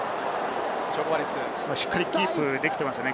しっかりキープできていますね。